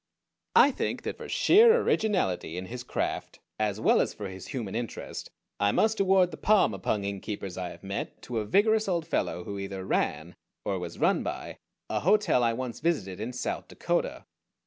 I think that for sheer originality in his craft, as well as for his human interest, I must award the palm among innkeepers I have met to a vigorous old fellow who either ran, or was run by, a hotel I once visited in South Dakota.